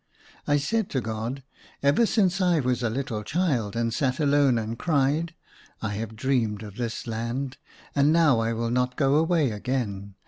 I said to God, " Ever since I was a little child and sat alone and cried, I have dreamed 1 68 THE SUNLIGHT LA V of this land, and now I will not go away again.